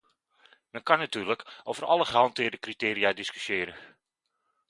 Men kan natuurlijk over alle gehanteerde criteria discussiëren.